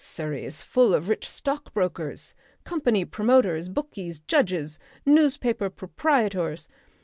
Surrey is full of rich stockbrokers, company promoters, bookies, judges, newspaper proprietors.